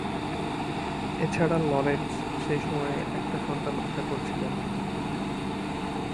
এছাড়া, লরেন্স সেই সময়ে একটা সন্তান আশা করছিলেন।